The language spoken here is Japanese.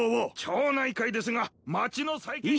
町内会ですが町の再建費。